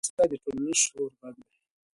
دا کیسه د ټولنیز شعور غږ دی.